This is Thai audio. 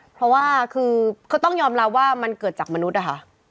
เพราะว่าคือก็ต้องยอมรับว่ามันเกิดจากมนุษย์นะคะ